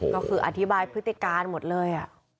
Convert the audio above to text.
ก็คืออธิบายพฤติการหมดเลย